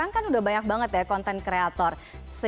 jangan lupa di tiktok main facebook dan nosotros